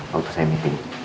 waktu saya meeting